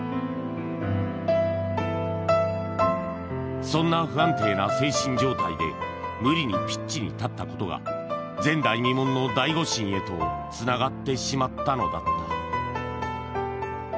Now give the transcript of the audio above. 家本はそんな不安定な精神状態で無理にピッチに立ったことが前代未聞の大誤審へとつながってしまったのだった